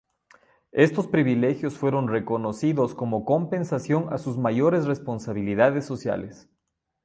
Estos privilegios fueron reconocidos como compensación a sus mayores responsabilidades sociales.